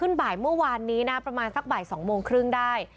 บ่ายเมื่อวานนี้นะประมาณสักบ่าย๒โมงครึ่งได้